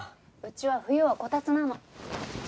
うちは冬はこたつなの。